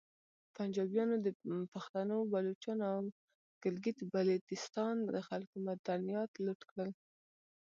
پنجابیانو د پختنو، بلوچانو او ګلګیت بلتیستان د خلکو معدنیات لوټ کړل